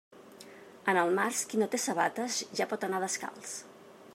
En el març, qui no té sabates ja pot anar descalç.